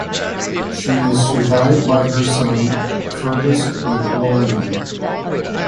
She is survived by her son, Fergus McLarnon.